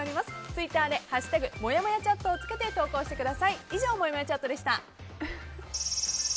ツイッターで「＃もやもやチャット」をつけて投稿してください。